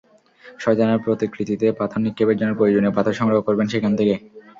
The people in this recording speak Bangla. শয়তানের প্রতিকৃতিতে পাথর নিক্ষেপের জন্য প্রয়োজনীয় পাথর সংগ্রহ করবেন সেখান থেকে।